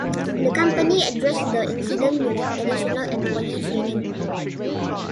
The company addressed the incident with additional employee training.